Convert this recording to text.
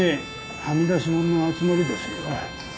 はみ出しもんの集まりですよ。